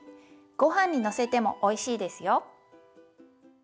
ごはんにのせてもおいしいですよ。